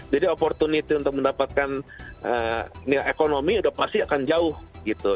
jadi opportunity untuk mendapatkan nilai ekonomi udah pasti akan jauh gitu